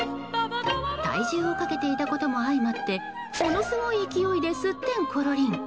体重をかけていたことも相まってものすごい勢いですってんころりん。